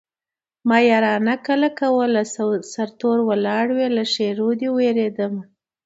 ما يارانه کله کوله سرتور ولاړ وې له ښېرو دې وېرېدمه